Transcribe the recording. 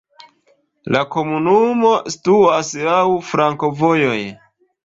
La komunumo situas laŭ flankovojoj.